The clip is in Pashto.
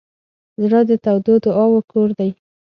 زړه د تودو دعاوو کور دی.